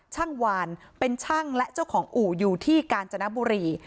วานเป็นช่างและเจ้าของอู่อยู่ที่กาญจนบุรี